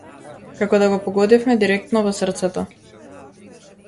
Како да го погодивме директно во срцето.